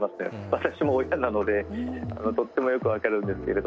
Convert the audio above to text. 私も親なのでとってもよく分かるんですけれど。